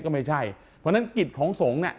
ก็ไม่ใช่เพราะฉะนั้นกิจของสงฆ์เนี่ย